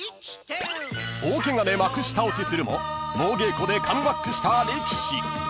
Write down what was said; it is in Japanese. ［大ケガで幕下落ちするも猛稽古でカムバックした力士］